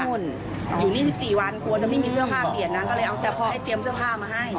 อยู่นี่๑๔วันกลัวจะไม่มีเสื้อผ้าเปลี่ยนนั้นก็เลยให้เตรียมเสื้อผ้ามาให้